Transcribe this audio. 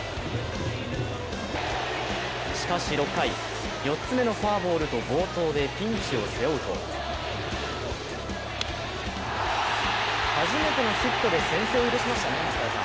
しかし６回、４つ目のフォアボールと暴投でピンチを背負うと初めてのヒットで先制を許しましたね、槙原さん。